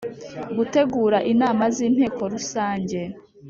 Gutegura Inama z inteko rusange